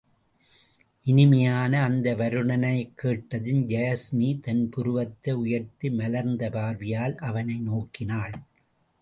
இனிமையான அந்த வருணனையைக் கேட்டதும் யாஸ்மி தன் புருவத்தை உயர்த்தி மலர்ந்த பார்வையால் அவனை நோக்கினாள்.